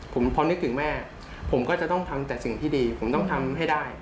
ผมพอนึกถึงแม่ผมก็จะต้องทำแต่สิ่งที่ดีผมต้องทำให้ได้